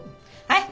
はい。